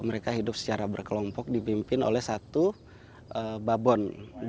mereka hidup secara berkelompok dipimpin oleh satu babon